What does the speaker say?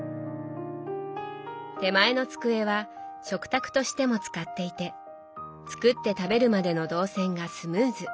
手前の机は食卓としても使っていて作って食べるまでの動線がスムーズ。